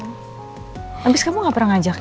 habis kamu nggak pernah ngajakin